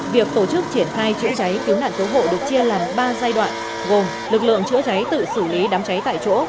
việc tổ chức triển khai chữa cháy cứu nạn cứu hộ được chia làm ba giai đoạn gồm lực lượng chữa cháy tự xử lý đám cháy tại chỗ